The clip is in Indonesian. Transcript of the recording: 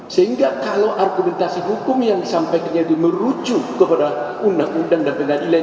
sehingga kalau argumentasi hukum yang disampaikannya itu merujuk kepada undang undang dan pengadilan